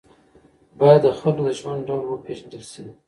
باید د خلکو د ژوند ډول وپېژندل شي.